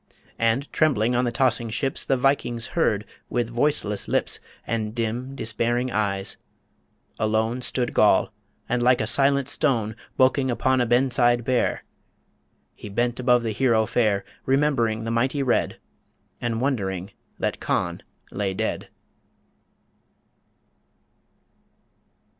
And, trembling on the tossing ships, The Vikings heard, with voiceless lips And dim, despairing eyes ... Alone Stood Goll, and like a silent stone Bulking upon a ben side bare, He bent above the hero fair Remembering the mighty Red, And wondering that Conn lay dead.